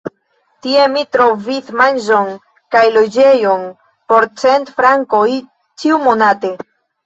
Tie mi trovis manĝon kaj loĝejon por cent frankoj ĉiumonate.